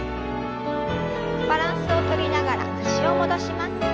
バランスをとりながら脚を戻します。